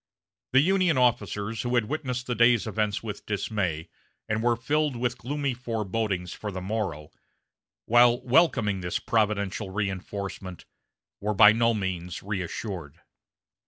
The Union officers who had witnessed the day's events with dismay, and were filled with gloomy forebodings for the morrow, while welcoming this providential reinforcement, were by no means reassured.